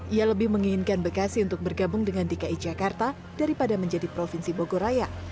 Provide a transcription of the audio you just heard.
ia lebih menginginkan bekasi untuk bergabung dengan dki jakarta daripada menjadi provinsi bogoraya